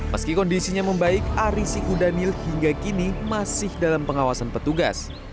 meski kondisinya membaik ari siku daniel hingga kini masih dalam pengawasan petugas